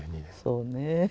そうね。